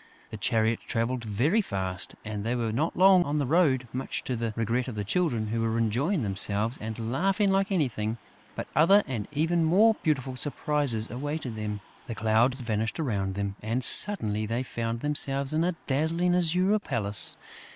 The chariot travelled very fast; and they were not long on the road, much to the regret of the Children, who were enjoying themselves and laughing like anything; but other and even more beautiful surprises awaited them. The clouds vanished around them; and, suddenly, they found themselves in a dazzling azure palace.